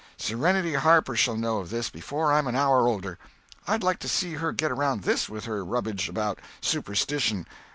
Sereny Harper shall know of this before I'm an hour older. I'd like to see her get around this with her rubbage 'bout superstition.